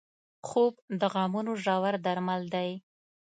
خوب د غمونو ژور درمل دی